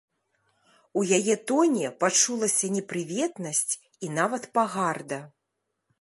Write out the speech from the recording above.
У яе тоне пачулася непрыветнасць і нават пагарда.